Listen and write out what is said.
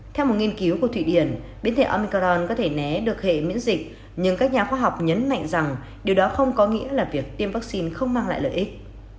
theo một nghiên cứu của thụy điển biến thể omican có thể né được hệ miễn dịch nhưng các nhà khoa học nhấn mạnh rằng điều đó không có nghĩa là việc tiêm vaccine không mang lại lợi ích